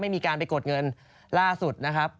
มีการไปกดเงินล่าสุดนะครับ